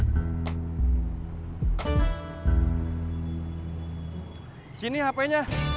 hati hati di jalan